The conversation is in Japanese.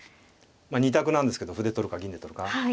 ２択なんですけど歩で取るか銀で取るか。